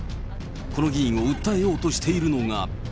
この議員を訴えようとしているのが。